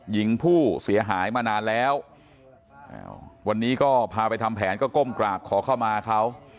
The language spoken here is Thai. หญิงผู้เสียหายมานานแล้ววันนี้ก็พาไปทำแผนก็ก้มกราบขอเข้ามาเขา